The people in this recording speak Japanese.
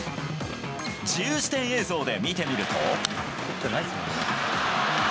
自由視点映像で見てみると。